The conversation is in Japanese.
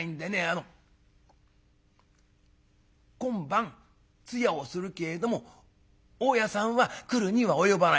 あの今晩通夜をするけれども大家さんは来るには及ばない」。